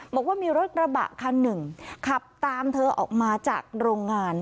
บอกว่ามีรถกระบะคันหนึ่งขับตามเธอออกมาจากโรงงาน